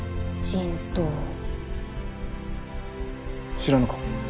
知らぬか？